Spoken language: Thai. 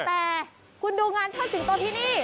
แต่คุณดูงานเชิดสิงโตที่นี่